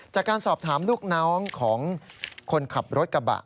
จากการสอบถามลูกน้องของคนขับรถกระบะ